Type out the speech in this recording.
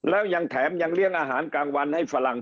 แล้วยังแถมยังเลี้ยงอาหารกลางวันให้ฝรั่ง